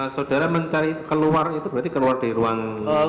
saudara mencari keluar itu berarti keluar dari ruang